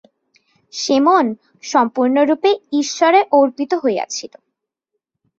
সে-মন সম্পূর্ণরূপে ঈশ্বরে অর্পিত হইয়াছিল।